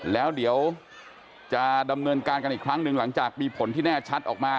แล้วเดี๋ยวจะดำเนินการกันอีกครั้งหนึ่งหลังจากมีผลที่แน่ชัดออกมา